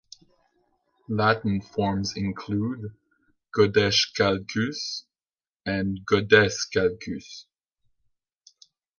Latin forms include "Godeschalcus" and "Godescalcus".